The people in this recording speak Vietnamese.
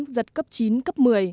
giật cấp chín cấp một mươi